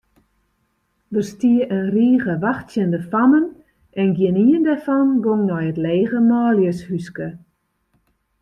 Der stie in rige wachtsjende fammen en gjinien dêrfan gong nei it lege manljushúske.